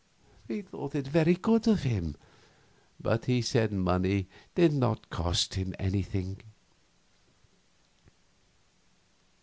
We thought it very good of him, but he said money did not cost him anything.